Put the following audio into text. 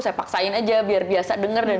saya paksain aja biar biasa dengar dan